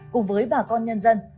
cùng với bà con nhân dân